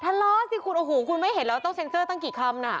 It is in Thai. ทะเลาะสิคุณไม่เห็นแล้วต้องเซ็นเซอร์ตั้งกี่คำ